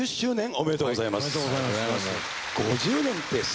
ありがとうございます。